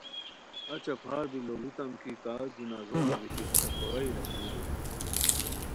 اچہ پھاربی لوڑیتام کی کا جنازو انگیتی ہتے خورائی لاکھیرو بیرانی